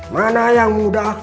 mana yang mudah